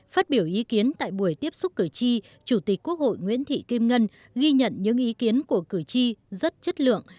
phát biểu ý kiến tại buổi tiếp xúc cử tri chủ tịch quốc hội nguyễn thị kim ngân ghi nhận những ý kiến của cử tri rất chất lượng